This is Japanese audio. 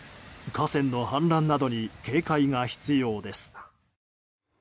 河川の氾濫などに警戒が必要です。